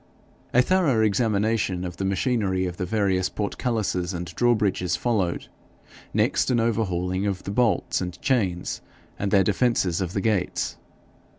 A thorough examination of the machinery of the various portcullises and drawbridges followed; next an overhauling of the bolts, chains, and other defences of the gates.